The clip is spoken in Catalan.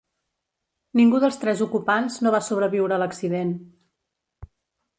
Ningú dels tres ocupants no va sobreviure a l'accident.